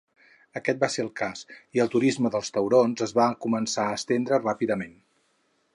Aquest va ser el cas i el turisme dels taurons es va començar a estendre ràpidament.